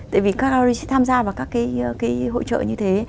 tại vì các gallery sẽ tham gia vào các cái hội trợ như thế